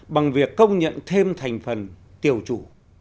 bằng việc công nhận thêm thành phần tiều chủ